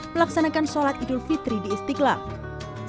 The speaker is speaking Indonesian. pelaksanakan sholat idul fitri di masjid terbesar se asia tenggara istiqlal